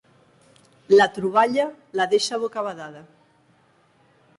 La troballa la deixa bocabadada.